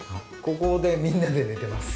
ここでみんなで寝てます。